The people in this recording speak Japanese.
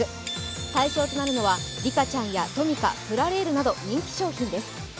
対象となるのは、リカちゃんやトミカ、プラレールなど人気商品です。